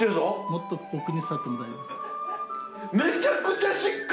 もっと奥に座っても大丈夫ですよ。